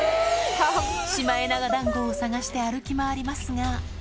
シマエナガだんごを探して歩き回りますが。